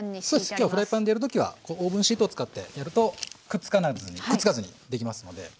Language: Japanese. そうです今日はフライパンでやる時はオーブンシートを使ってやるとくっつかずにできますので。